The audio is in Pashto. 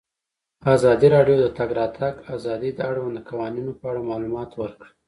ازادي راډیو د د تګ راتګ ازادي د اړونده قوانینو په اړه معلومات ورکړي.